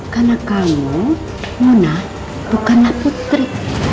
karena kamu mona bukanlah putri